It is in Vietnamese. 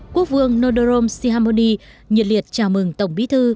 quốc vương nodorom sihamoni nhiệt liệt chào mừng tổng bí thư